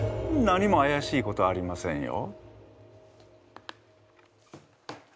何もあやしいことはありませんよ。